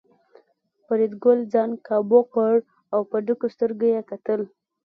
فریدګل ځان کابو کړ او په ډکو سترګو یې کتل